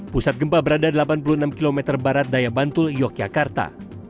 pusat gempa berada di delapan puluh enam km barat dayabantul yogyakarta